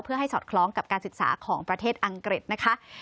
เพื่อให้สอดคล้องกับการศึกษาของประเทศอังกฤษนะคะ